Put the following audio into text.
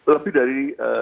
lebih dari sepuluh